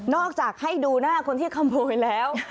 จากให้ดูหน้าคนที่ขโมยแล้ว